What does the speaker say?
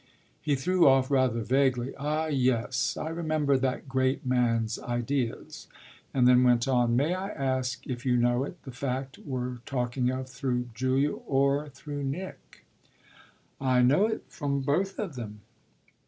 He threw off rather vaguely: "Ah yes, I remember that great man's ideas," and then went on: "May I ask if you know it, the fact we're talking of, through Julia or through Nick?" "I know it from both of them."